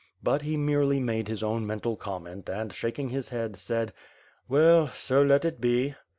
But he merely made his own mental comment and, shaking his head, said: "Well, so let it be."